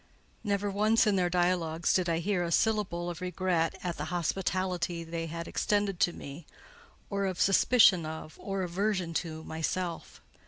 Never once in their dialogues did I hear a syllable of regret at the hospitality they had extended to me, or of suspicion of, or aversion to, myself.